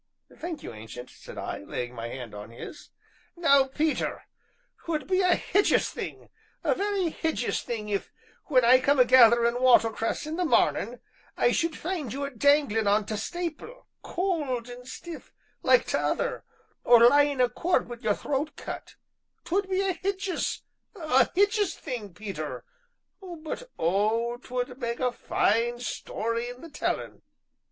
"Thank you, Ancient!" said I, laying my hand on his. "Now, Peter, 'twould be a hijious thing a very hijious thing if, when I come a gatherin' watercress in the marnin', I should find you a danglin' on t' stapil, cold and stiff like t' other, or lyin' a corp wi' your throat cut; 'twould be a hijious hijious thing, Peter, but oh! 'twould mak' a fine story in the tellin'."